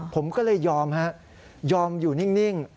ผมก็เลยยอมฮะยอมอยู่นิ่ง